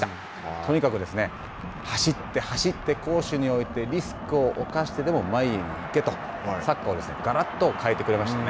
とにかく走って走って、攻守においてリスクを冒してでも前へ行けと、サッカーをがらっと変えてくれましたね。